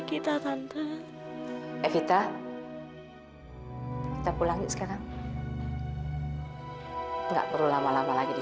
kamu sudah ada arkang ini selama selama ini